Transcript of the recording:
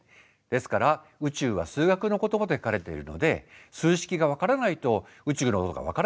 ですから宇宙は数学の言葉で書かれているので数式が分からないと宇宙のことが分からないんだ。